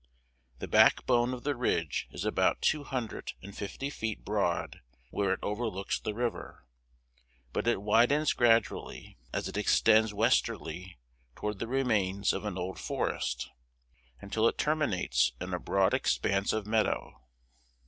The back bone of the ridge is about two hundred and fifty feet broad where it overlooks the river; but it widens gradually as it extends westerly toward the remains of an old forest, until it terminates in a broad expanse of meadow.